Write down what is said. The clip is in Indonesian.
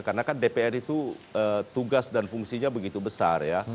karena kan dpr itu tugas dan fungsinya begitu besar ya